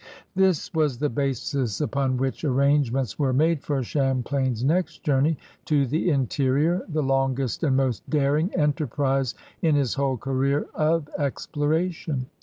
This was the basis upon which arrangements were made for Champlain's next journey to the interior, the longest and most daring enterprise in his whole career of exploration.